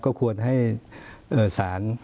ก็ควรให้สาร